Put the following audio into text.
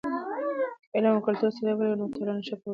که علم او کلتور سره ولري، نو ټولنه ښه پروګرام لري.